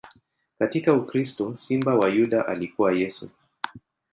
Katika ukristo, Simba wa Yuda alikuwa Yesu.